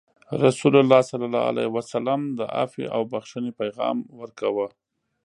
رسول الله صلى الله عليه وسلم د عفوې او بخښنې پیغام ورکوه.